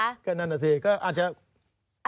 อ่ะนั่นสิก็อาจจะ